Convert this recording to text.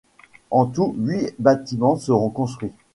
En tout huit bâtiments seront construits.